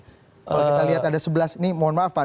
kalau kita lihat ada sebelas ini mohon maaf pak